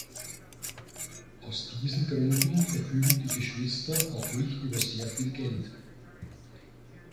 Aus diesen Gründen verfügen die Geschwister auch nicht über sehr viel Geld.